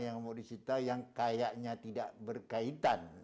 yang mau disita yang kayaknya tidak berkaitan